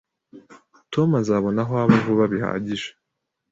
Tom azabona aho aba vuba bihagije